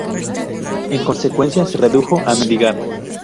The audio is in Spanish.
En consecuencia, se redujo a mendigar.